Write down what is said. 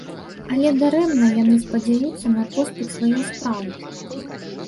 Але дарэмна яны спадзяюцца на поспех сваёй справы.